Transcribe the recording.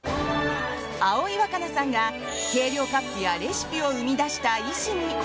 葵わかなさんが計量カップやレシピを生み出した医師に！